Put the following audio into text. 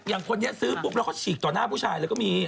อย่างคนนี้ซื้อปุ๊บแล้วเขาฉีกต่อหน้าผู้ชายเลยก็มี